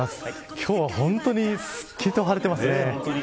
今日は本当にすっきりと晴れてますね。